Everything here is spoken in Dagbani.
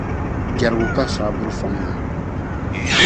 Jɛrigu ka saa buri fɔŋ ni.